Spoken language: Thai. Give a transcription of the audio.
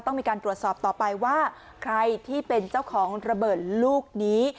ต้องมีการตรวจสอบต่อไปว่าใครที่เป็นเจ้าของระเบิดลูกนี้